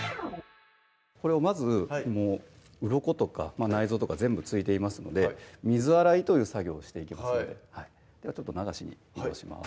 これをまずうろことか内臓とか全部付いていますので水洗いという作業をしていきますのでちょっと流しに移動します